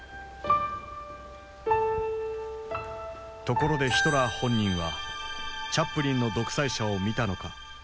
ところでヒトラー本人はチャップリンの「独裁者」を見たのか。